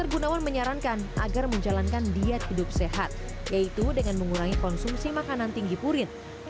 gunawan menyarankan agar menjalankan diet hidup sehat yaitu dengan mengurangi konsumsi makanan tinggi purin